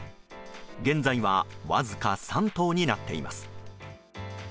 現在はわずか３頭になっています。